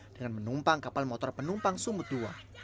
dengan menumpang kapal motor penumpang sumbut ii